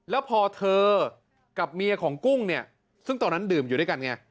แล้วพอเธอกับเมียของกุ้งเนี่ยซึ่งตอนนั้นดื่มอยู่ด้วยกันไง